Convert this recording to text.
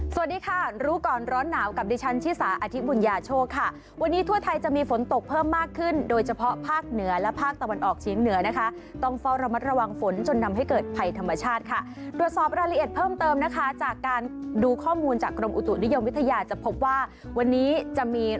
สวัสดีค่ะรู้ก่อนร้อนหนาวกับดิฉันชิสาอธิบุญญาโชคค่ะวันนี้ทั่วไทยจะมีฝนตกเพิ่มมากขึ้นโดยเฉพาะภาคเหนือและภาคตะวันออกเฉียงเหนือนะคะต้องเฝ้าระมัดระวังฝนจนทำให้เกิดภัยธรรมชาติค่ะตรวจสอบรายละเอียดเพิ่มเติมนะคะจากการดูข้อมูลจากกรมอุตุนิยมวิทยาจะพบว่าวันนี้จะมี